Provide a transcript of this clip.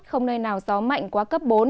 không nơi nào gió mạnh quá cấp bốn